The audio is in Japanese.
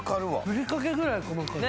ふりかけぐらい細かい。